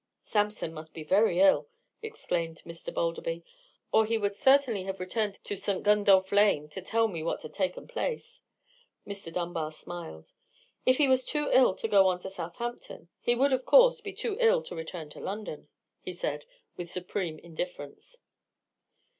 "Sampson must be very ill," exclaimed Mr. Balderby, "or he would certainly have returned to St. Gundolph Lane to tell me what had taken place." Mr. Dunbar smiled. "If he was too ill to go on to Southampton, he would, of course, be too ill to return to London," he said, with supreme indifference.